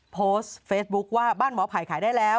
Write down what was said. โพสต์เฟซบุ๊คว่าบ้านหมอไผ่ขายได้แล้ว